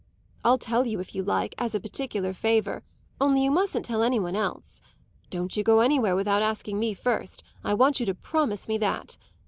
I'll tell you, if you like, as a particular favour; only you mustn't tell any one else. Don't you go anywhere without asking me first; I want you to promise me that.